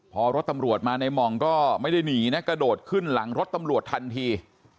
พอรถตำรวจมาในหม่องก็ไม่ได้หนีนะกระโดดขึ้นหลังรถตำรวจทันที